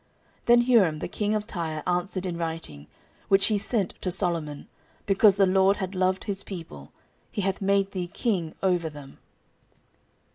14:002:011 Then Huram the king of Tyre answered in writing, which he sent to Solomon, Because the LORD hath loved his people, he hath made thee king over them.